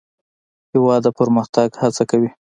هېواد د پرمختګ هڅه کوي.